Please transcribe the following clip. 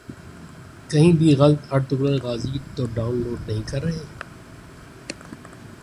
کہیں بھی غلط ارطغرل غازی تو ڈان لوڈ نہیں کر رہے